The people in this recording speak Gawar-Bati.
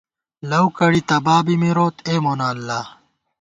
لؤ کڑی تبابی مِروت، اے مونہ اللہ